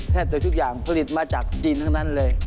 ตัวทุกอย่างผลิตมาจากจีนทั้งนั้นเลย